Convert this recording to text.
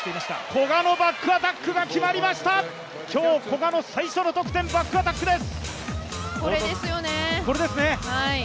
古賀のバックアタックが決まりました今日、古賀の最初の得点、バックアタックです。